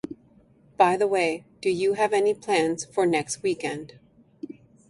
By the way, do you have any plans for next weekend?